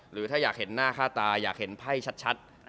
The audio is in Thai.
หรือถ้าอยากเห็นหน้าค่าตาอยากเห็นไพ่ชัด